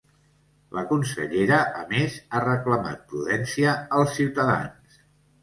La consellera, a més, ha reclamat prudència als ciutadans.